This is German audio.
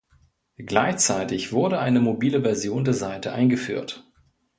Gleichzeitig wurde eine mobile Version der Seite eingeführt.